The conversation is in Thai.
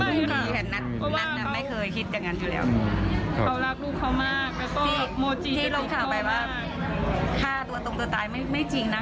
ไม่ค่ะเพราะว่าเขาเขารักลูกเขามากแล้วก็ที่เราถามไปว่าฆ่าตัวตรงตัวตายไม่ไม่จริงนะคะ